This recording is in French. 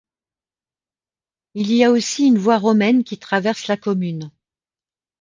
Il y a aussi une voie romaine qui traverse la commune.